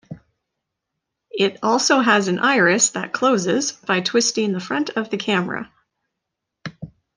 It also has an iris that closes by twisting the front of the camera.